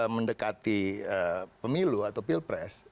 mendekati pemilu atau pilpres